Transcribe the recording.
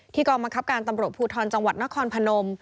กองบังคับการตำรวจภูทรจังหวัดนครพนม